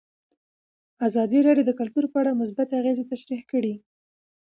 ازادي راډیو د کلتور په اړه مثبت اغېزې تشریح کړي.